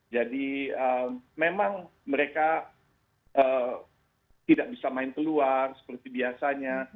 jadi memang mereka tidak bisa main keluar seperti biasanya